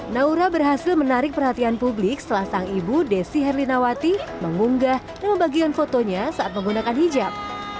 naura berhasil menarik perhatian publik setelah sang ibu desi herlinawati mengunggah dan membagikan fotonya saat menggunakan hijab